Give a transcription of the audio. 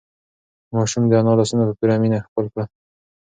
ماشوم د انا لاسونه په پوره مینه ښکل کړل.